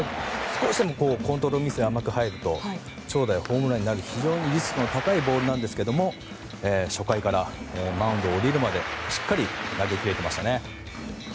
少しでもコントロールミスで甘く入ると長打やホームランになる非常にリスクの高いボールですが初回からマウンドを降りるまでしっかり投げ切れてましたね。